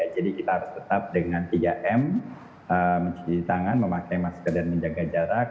jadi kita harus tetap dengan tiga m mencuci tangan memakai masker dan menjaga jarak